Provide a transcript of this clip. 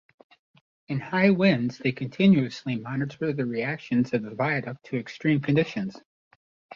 In high winds, they continuously monitor the reactions of the Viaduct to extreme conditions.